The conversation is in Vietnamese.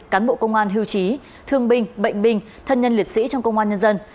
cán bộ công an hưu trí thương binh bệnh binh thân nhân liệt sĩ trong công an nhân dân